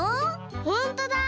ほんとだ！